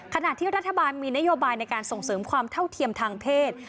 ขณะที่รัฐบาลมีนโยบายในการส่งเสริมความเท่าเทียมทางเพศ